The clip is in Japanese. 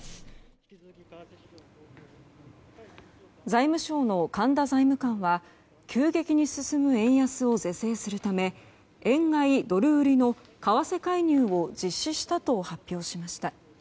財務省の神田財務官は急激に進む円安を是正するため円買いドル売りの為替介入を実施したと発表しました。